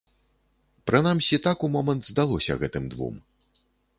Прынамсі, так умомант здалося гэтым двум.